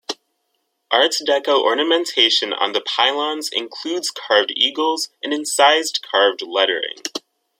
Art Deco ornamentation on the pylons includes carved eagles and incised carved lettering.